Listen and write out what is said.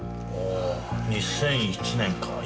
２００１年か。